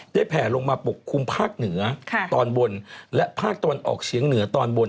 แผ่ลงมาปกคลุมภาคเหนือตอนบนและภาคตะวันออกเฉียงเหนือตอนบน